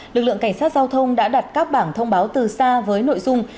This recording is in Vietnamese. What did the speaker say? lực lượng cảnh sát giao thông đã đặt các bảng thông báo từ xa với nội dung